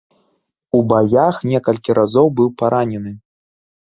У баях некалькі разоў быў паранены.